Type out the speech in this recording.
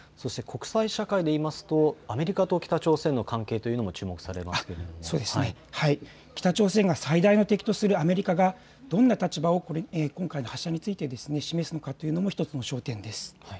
国際社会で言いますとアメリカと北朝鮮の関係というのも注目されていますけれども北朝鮮が最大の敵とするアメリカがどんな立場を今回の発射について示すのかというのも１つの焦点です。